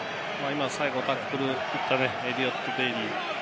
最後、タックルに行ったエリオット・デイリー。